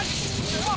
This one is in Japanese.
うわ！